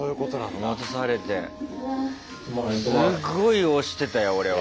すごい押してたよ俺は。